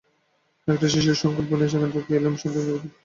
একটা সৃষ্টির সংকল্প নিয়ে সেখান থেকে এলেম শান্তিনিকেতনের প্রান্তরে।